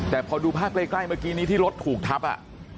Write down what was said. แต่พอดูภาพใกล้เมื่อกี้นี้ที่รถถูกทับอ่ะ